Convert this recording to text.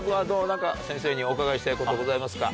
何か先生にお伺いしたいことございますか？